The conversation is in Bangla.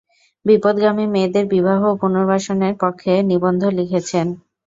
বিপথগামী মেয়েদের বিবাহ ও পুনর্বাসনের পক্ষে নিবন্ধ লিখেছেন।